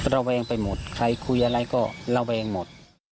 ระแวงไปหมดใครคุยอะไรก็ระแวงหมด